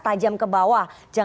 tajam ke bawah